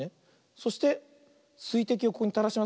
そしてすいてきをここにたらします。